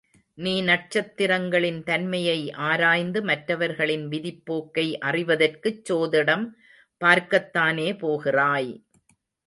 நீ நட்சத்திரங்களின் தன்மையை ஆராய்ந்து மற்றவர்களின் விதிப்போக்கை அறிவதற்குச் சோதிடம் பார்க்கத்தானே போகிறாய்!